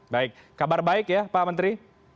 baik kabar baik ya pak menteri